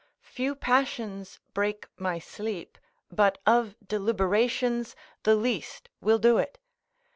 Few passions break my sleep, but of deliberations, the least will do it.